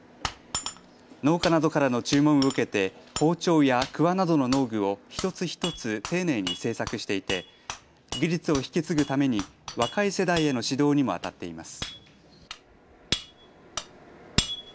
農家などからの注文を受けて包丁やくわなどの農具を一つ一つ丁寧に製作していて技術を引き継ぐために若い世代への指導にもあたっています。